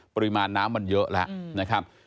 ปริมาณน้ำมันเยอะแล้ว